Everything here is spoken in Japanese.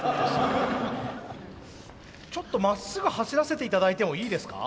ちょっとまっすぐ走らせて頂いてもいいですか？